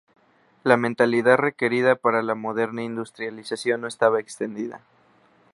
La mentalidad requerida para la moderna industrialización no estaba extendida.